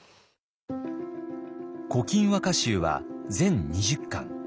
「古今和歌集」は全２０巻。